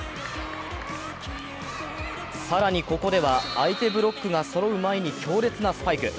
更に、ここでは相手ブロックがそろう前に強烈なスパイク。